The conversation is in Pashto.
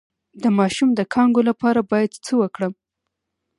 د ماشوم د کانګو لپاره باید څه وکړم؟